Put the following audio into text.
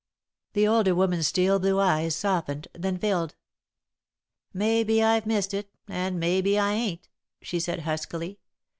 The older woman's steel blue eyes softened, then filled. "Maybe I've missed it and maybe I ain't," she said, huskily.